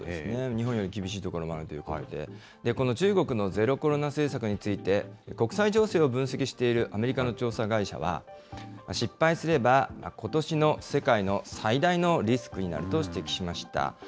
日本より厳しいこともあるということで、この中国のゼロコロナ政策について、国際情勢を分析しているアメリカの調査会社は、失敗すればことしの世界の最大のリスクになると指摘しました。